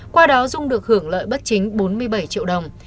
qua đó dung được hưởng lợi bất chính bốn mươi bảy triệu đồng